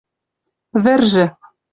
Вӹржӹ